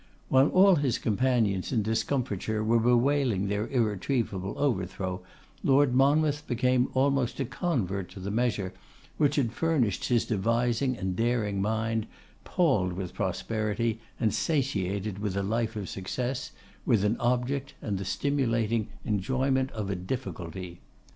While all his companions in discomfiture were bewailing their irretrievable overthrow, Lord Monmouth became almost a convert to the measure, which had furnished his devising and daring mind, palled with prosperity, and satiated with a life of success, with an object, and the stimulating enjoyment of a difficulty.